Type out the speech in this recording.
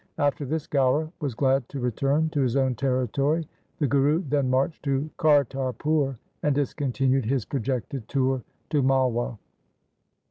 After this Gaura was glad to return to his own territory. The Guru then marched to Kartarpur and discontinued his projected tour to Malwa.